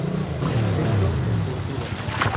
Texto en cursiva